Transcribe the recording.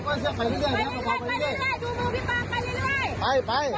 ไปเรื่อยดูพูดพี่ปังไปเรื่อย